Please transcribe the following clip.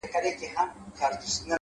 • د وجود غړي د هېواد په هديره كي پراته،